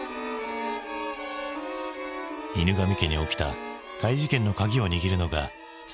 犬神家に起きた怪事件の鍵を握るのが佐清。